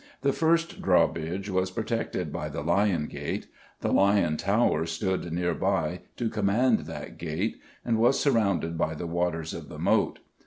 The first drawbridge was protected by the Lion Gate; the Lion Tower stood near by to command that gate, and was surrounded by the waters of the Moat.